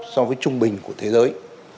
so với trung bình của thế giới